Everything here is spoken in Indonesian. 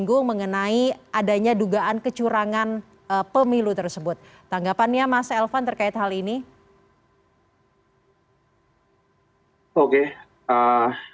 berbicara mengenai tindak lanjut ada harapan bahwa temuan atau laporan yang diberikan oleh komisi kawal pemilu tersebut langsung ditanyakan atau dikonfirmasi kepada pihak pihak terkait